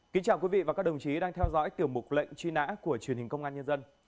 kính chào quý vị và các đồng chí đang theo dõi tiểu mục lệnh truy nã của truyền hình công an nhân dân